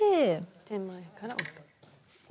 手前から。